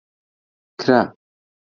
کرا.